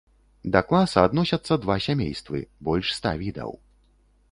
Да класа адносяцца два сямействы, больш ста відаў.